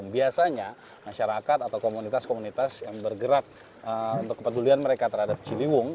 biasanya masyarakat atau komunitas komunitas yang bergerak untuk kepedulian mereka terhadap ciliwung